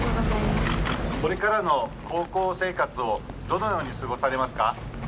これからの高校生活をどのように過ごされますか。